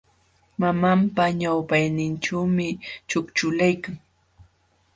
Mamanpa ñawpaqninćhuumi ćhukćhulaykan.